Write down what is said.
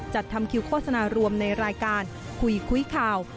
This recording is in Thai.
จัดทำคิวโฆษณารวมในรายการคุยคุยข่าว